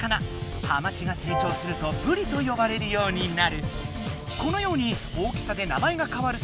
ハマチがせい長するとブリとよばれるようになる。